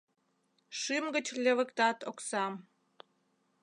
Шӱм гыч левыктат оксам